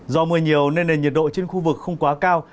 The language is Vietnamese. do mưa nhiều nên nền nhiệt độ trên khu vực không quá cao